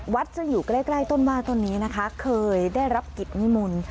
ซึ่งอยู่ใกล้ต้นไม้ต้นนี้นะคะเคยได้รับกิจนิมนต์